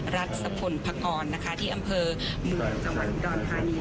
รัชพนธ์ภักรณ์ที่อำเภอมือจังหวัดดอนทานี